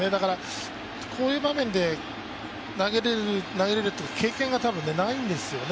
こういう場面で投げれる経験がないんですよね。